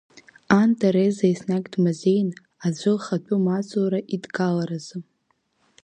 Ан Тереза еснагь дмазеин, аӡәы лхатәы маҵура идгаларазы.